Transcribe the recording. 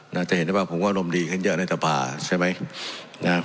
น่าจะเห็นได้ป่ะผมก็นมดีขึ้นเยอะในตะป่าใช่ไหมนะ